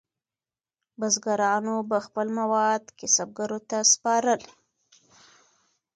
بزګرانو به خپل مواد کسبګرو ته سپارل.